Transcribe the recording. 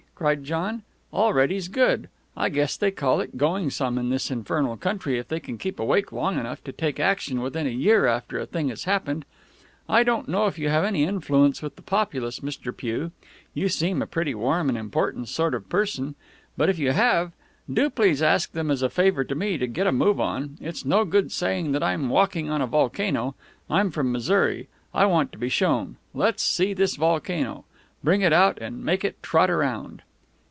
cried John. "Already's good. I guess they call it going some in this infernal country if they can keep awake long enough to take action within a year after a thing has happened. I don't know if you have any influence with the populace, Mr. Pugh you seem a pretty warm and important sort of person but, if you have, do please ask them as a favor to me to get a move on. It's no good saying that I'm walking on a volcano. I'm from Missouri. I want to be shown. Let's see this volcano. Bring it out and make it trot around."